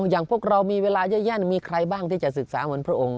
อย่างพวกเรามีเวลาเยอะแยะมีใครบ้างที่จะศึกษาเหมือนพระองค์